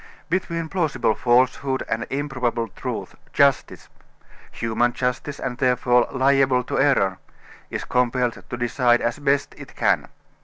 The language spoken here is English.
Between plausible falsehood, and improbable truth, justice human justice, and therefore liable to error is compelled to decide as best it can.